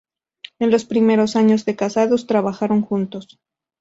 En los primeros años de casados trabajaron juntos.